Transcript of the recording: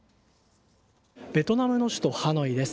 ベトナムの首都ハノイです。